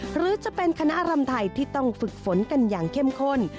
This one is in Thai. หรือจะเป็นคณะรำไทยที่ต้องฝึกฝนกันอย่างเข้มข้น